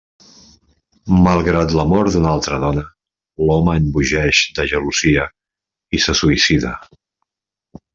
Malgrat l'amor d'una altra dona, l'home embogeix de gelosia i se suïcida.